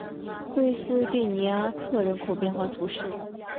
瑞斯蒂尼阿克人口变化图示